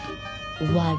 終わり。